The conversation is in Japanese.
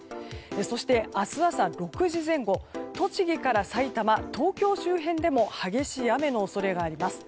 そして明日朝６時前後栃木から埼玉、東京周辺でも激しい雨の恐れがあります。